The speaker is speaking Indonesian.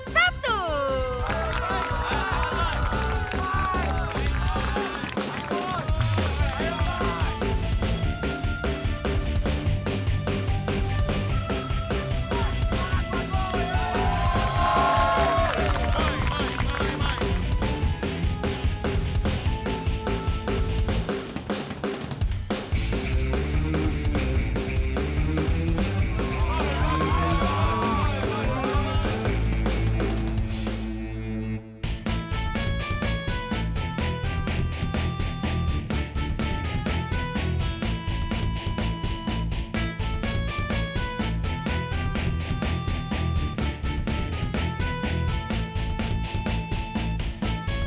baik baik baik